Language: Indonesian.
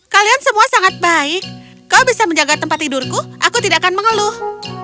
kalian semua sangat baik kau bisa menjaga tempat tidurku aku tidak akan mengeluh